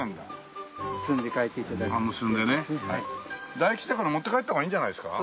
大吉だから持って帰った方がいいんじゃないですか？